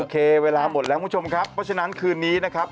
เวลาหมดแล้วคุณผู้ชมครับเพราะฉะนั้นคืนนี้นะครับ